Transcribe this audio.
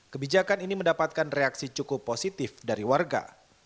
kebijakan ini mendapatkan reaksi cukup positif dari warga